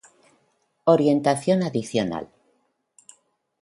Orientación adicional